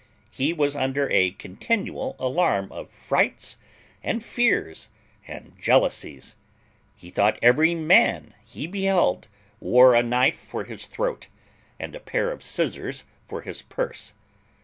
He was under a continual alarm of frights, and fears, and jealousies. He thought every man he beheld wore a knife for his throat, and a pair of scissars for his purse.